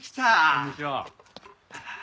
こんにちは。